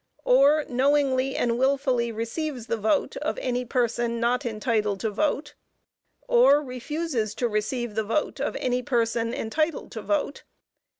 or knowingly and wilfully receives the vote of any person not entitled to vote_, or refuses to receive the vote of any person entitled to vote